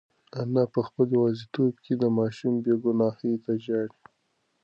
انا په خپل یوازیتوب کې د ماشوم بې گناهۍ ته ژاړي.